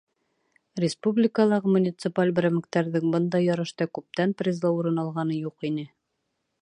Республикалағы муниципаль берәмектәрҙең бындай ярышта күптән призлы урын алғаны юҡ ине.